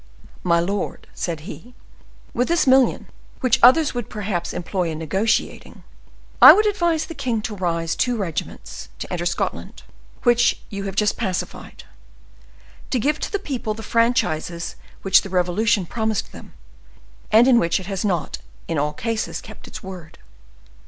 "My lord," said he, "with this million, which others would perhaps employ in negotiating, I would advise the king to rise two regiments, to enter Scotland, which you have just pacified: to give to the people the franchises which the revolution promised them, and in which it has not, in all cases, kept its word.